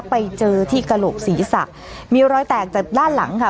ไปเจอที่กระโหลกศีรษะมีรอยแตกจากด้านหลังค่ะ